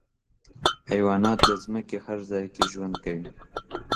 حیوانات د ځمکې هر ځای کې ژوند کوي.